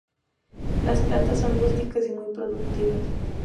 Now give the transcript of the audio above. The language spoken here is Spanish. Las plantas son rústicas y muy productivas.